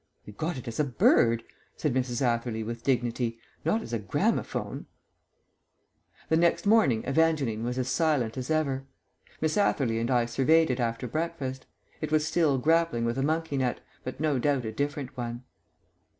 "We got it as a bird," said Mrs. Atherley with dignity, "not as a gramophone." The next morning Evangeline was as silent as ever. Miss Atherley and I surveyed it after breakfast. It was still grappling with a monkey nut, but no doubt a different one.